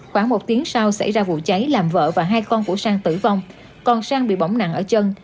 khoảng một tiếng sau xảy ra vụ cháy làm vợ và hai con của sang tử vong còn sang bị bỏng nặng ở chân